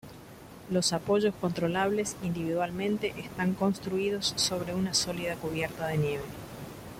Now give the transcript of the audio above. Los apoyos controlables individualmente están construidos sobre una sólida cubierta de nieve.